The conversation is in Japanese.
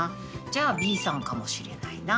じゃあ、Ｂさんかもしれないな。